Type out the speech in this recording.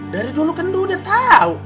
dari dulu kan lo udah tahu